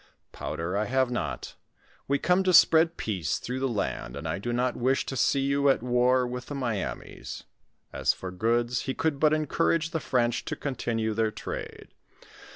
"Powder, I have not; we come to spread peace through the land, and I do not wish to see you at war with the Miamis." As for goods, he could but encourage the French to continue their trade.